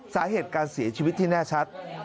สาเหตุการเสียชีวิตที่แน่ชัด